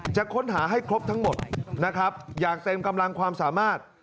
จะค้นหาให้ครบทั้งหมดนะครับอย่างเต็มกำลังความสามารถ